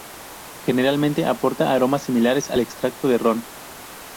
Generalmente aporta aromas similares al extracto de ron.